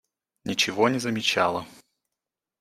Ничего не замечала.